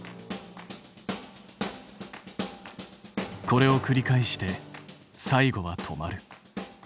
これをくり返して最後は止まる。